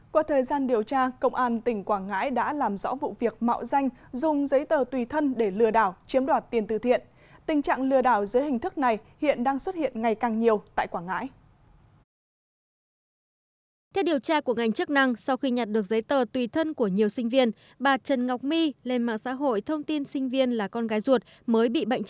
qua thời gian điều tra công an tỉnh quảng ngãi đã làm rõ vụ việc mạo danh dùng giấy tờ tùy thân để lừa đảo chiếm đoạt tiền từ thiện